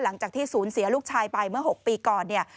หลังจากที่ศูนย์เสียลูกชายไปเมื่อ๖ปีก่อนเนี่ย